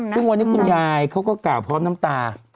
ซึ่งวันนี้คุณยายเขาก็กล่าวพร้อมน้ำตา